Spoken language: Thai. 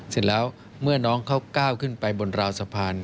เสร็จแล้วเมื่อน้องเขาก้าวขึ้นไปบนราวสะพาน